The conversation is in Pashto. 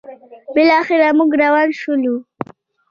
بالاخره موږ روان شولو: